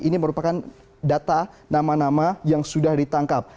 ini merupakan data nama nama yang sudah ditangkap